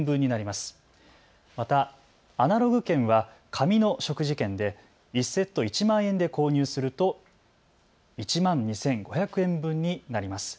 またアナログ券は紙の食事券で１セット１万円で購入すると１万２５００円分になります。